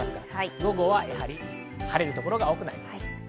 午後は晴れる所が多くなりそうです。